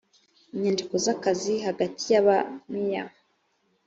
inyandiko z akazi hagati ya ba meya